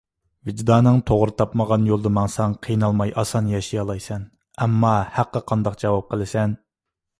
ۋىجدانىڭ توغرا تاپمىغان يولدا ماڭساڭ قىينالماي ئاسان ياشىيالايسەن. ئەمما ھەققە قانداق جاۋاب قىلىسەن؟